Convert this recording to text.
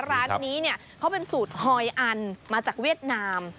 ร้านนี้เนี่ยเขาเป็นสูตรหอยอันมาจากเวียดนาม